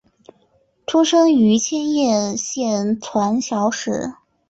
出身于千叶县船桥市。